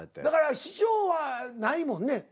だから師匠はないもんね。